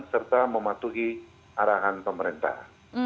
serta mematuhi arahan pemerintah